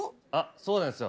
そうなんですよ。